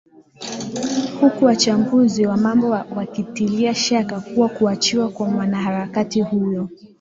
huku wachambuzi wa mambo wakitilia shaka kuwa kuachiwa kwa mwanaharakati huyo